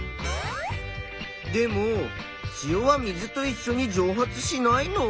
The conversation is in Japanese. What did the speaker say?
でも塩は水といっしょに蒸発しないの？